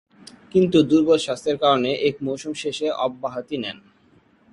কিন্তু দূর্বল স্বাস্থ্যের কারণে এক মৌসুম শেষে অব্যহতি নেন।